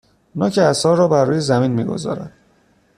نوک عصا را بر روی زمین میگذارد